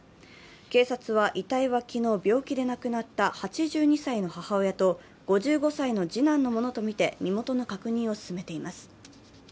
警察は遺体は昨日、病気で亡くなった８２歳の母親と５５歳の次男のものとみて、身元の確認を進めています。